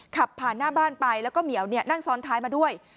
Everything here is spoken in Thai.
ขับผ่านหน้าบ้านไปแล้วก็เหมียวนั่งซ้อนท้ายมาด้วย